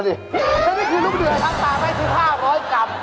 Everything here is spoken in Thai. แล้วนี่คือลูกเดือดทั้งตาไม่คือ๕๐๐กรัม